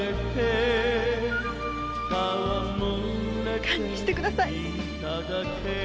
〔堪忍してください！〕